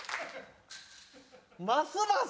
ますます！